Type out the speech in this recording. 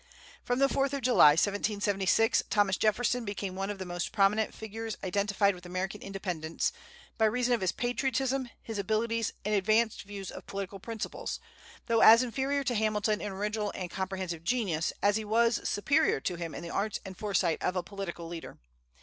From the 4th of July, 1776, Thomas Jefferson became one of the most prominent figures identified with American Independence, by reason of his patriotism, his abilities, and advanced views of political principles, though as inferior to Hamilton in original and comprehensive genius as he was superior to him in the arts and foresight of a political leader.